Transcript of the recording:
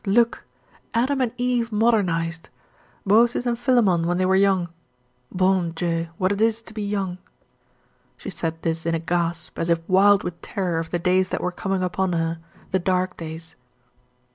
"Look! Adam and Eve modernized; Baucis and Philemon when they were young. Bon Dieu! what it is to be young!" She said this in a gasp, as if wild with terror of the days that were coming upon her the dark days.